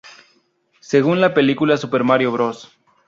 Según la película Super Mario Bros.